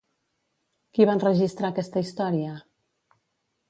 Qui va enregistrar aquesta història?